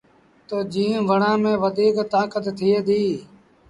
تا جين وڻآݩ ميݩ وڌيٚڪ تآݩڪت ٿئي ديٚ۔